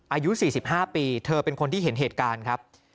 อายุ๔๕ปีเธอเป็นคนที่เห็นเหตุการณ์ครับ